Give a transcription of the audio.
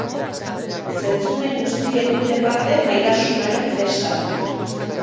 Zentzumen guztiek dute parte maitasunaren festan.